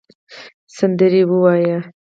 سندرې ووایې